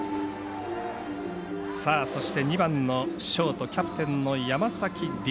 そして、２番のショートキャプテンの山崎凌